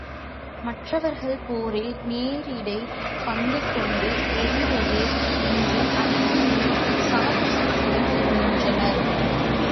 மற்றவர்கள் போரில் நேரிடை பங்கு கொண்டு எதி ரெதிர் நின்று அடித்து நொறுக்கிச் சாகத் துணிந்து நின்றனர்.